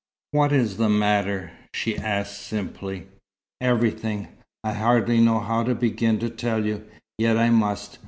"What is the matter?" she asked, simply. "Everything. I hardly know how to begin to tell you. Yet I must.